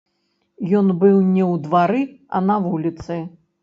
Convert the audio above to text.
Ён быў не ў двары, а на вуліцы.